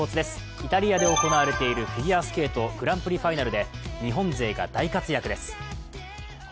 イタリアで行われているフィギュアスケートグランプリファイナルで日本勢が大活躍です。